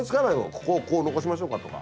ここをこう残しましょうかとか。